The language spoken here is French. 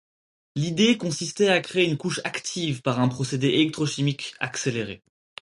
L'idée consistait à créer une couche active par un procédé électrochimique accéléré.